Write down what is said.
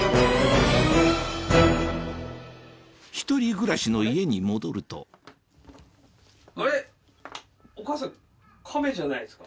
１人暮らしの家に戻るとそうよカメ。